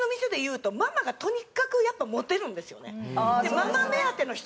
ママ目当ての人が多い。